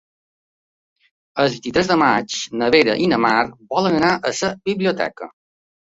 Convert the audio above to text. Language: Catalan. El vint-i-tres de maig na Vera i na Mar volen anar a la biblioteca.